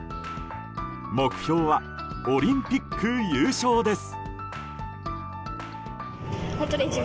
目標はオリンピック優勝です。